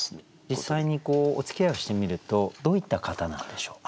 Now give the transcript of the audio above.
実際におつきあいをしてみるとどういった方なんでしょう？